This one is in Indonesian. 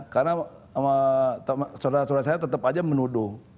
karena saudara saudara saya tetap aja menuduh